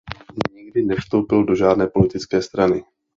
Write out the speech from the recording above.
Nikdy nevstoupil do žádné politické strany.